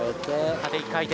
縦１回転。